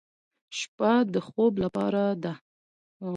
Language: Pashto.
شپه د خوب لپاره ده.